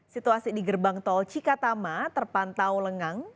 situasi di gerbang tol cikatama terpantau lengang